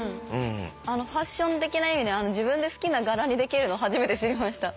ファッション的な意味で自分で好きな柄にできるの初めて知りました。